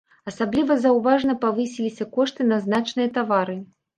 Асабліва заўважна павысіліся кошты на значныя тавары.